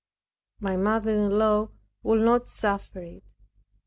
My mother in law would not suffer it.